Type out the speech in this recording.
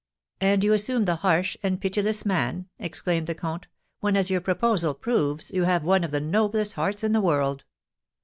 "And you assume the harsh and pitiless man," exclaimed the comte, "when, as your proposal proves, you have one of the noblest hearts in the world!"